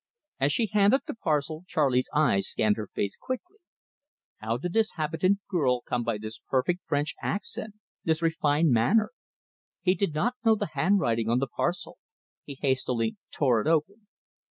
As she handed the parcel, Charley's eyes scanned her face quickly. How did this habitant girl come by this perfect French accent, this refined manner? He did not know the handwriting on the parcel; he hastily tore it open.